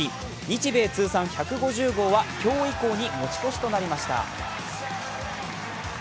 日米通算１５０号は今日以降に持ち越しとなりました。